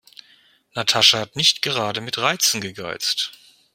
Natascha hat nicht gerade mit Reizen gegeizt.